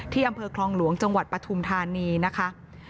อำเภอคลองหลวงจังหวัดปฐุมธานีนะคะ